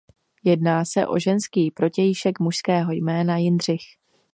Jedná se o ženský protějšek mužského jména Jindřich.